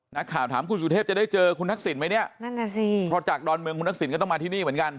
นักข่าวถามคุณสุทธิพย์จะได้เจอคุณทักศิลป์ไหมเนี่ยพอจากดอนเมืองคุณทักศิลป์ก็ต้องมาที่นี่เหมือนกัน